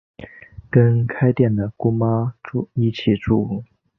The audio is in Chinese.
跟开店的姑妈一起住